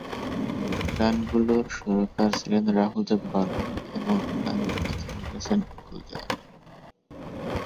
গানগুলোর সুরকার ছিলেন রাহুল দেব বর্মণ এবং গানের কথা লিখেছিলেন গুলজার।